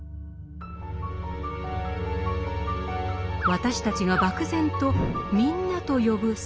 私たちが漠然と「みんな」と呼ぶ世人。